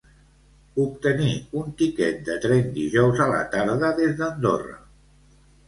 Obtenir un tiquet de tren dijous a la tarda des d'Andorra.